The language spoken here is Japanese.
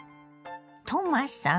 トマさん